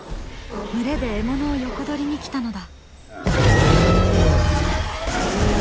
群れで獲物を横取りに来たのだ。